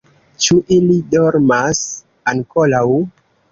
Ĉu ili dormas ankoraŭ?